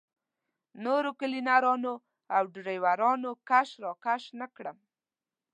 نورو کلینرانو او ډریورانو کش راکش نه کړم.